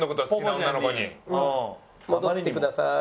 戻ってください。